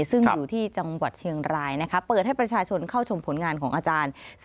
ซึ่งอยู่ที่จังหวัดเชียงรายนะคะเปิดให้ประชาชนเข้าชมผลงานของอาจารย์